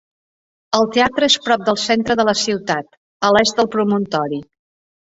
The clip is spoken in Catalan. El teatre és prop del centre de la ciutat, a l'est del promontori.